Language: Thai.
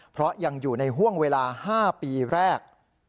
เพราะยังอยู่ในห่วงเวลา๕ปีแรก